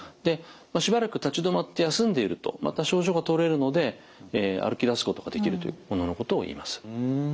しばらく立ち止まって休んでいるとまた症状がとれるので歩きだすことができるというもののことをいいます。